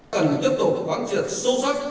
cần tiếp tục các ván triệt sâu sắc